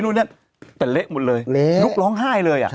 แต่เละหมดเลยนุกร้องไห้เลย